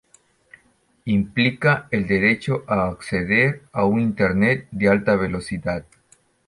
Implica el derecho a acceder a un Internet de alta velocidad.